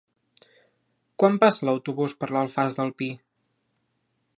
Quan passa l'autobús per l'Alfàs del Pi?